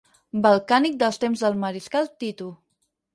Balcànic dels temps del mariscal Tito.